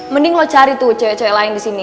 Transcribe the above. mending lo cari tuh cewek cewek lain disini